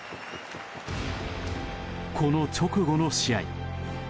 この直後の試合。